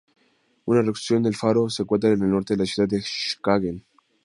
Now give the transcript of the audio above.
Una reconstrucción del faro se encuentra al norte de la ciudad de Skagen.